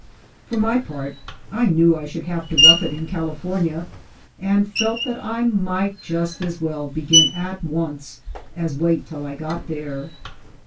For my own part, I knev/ I should have to rough it in California, and felt that I might just as well begin at once as wait till I got there.